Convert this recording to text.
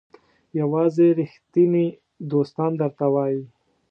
یوازې ریښتیني دوستان درته وایي.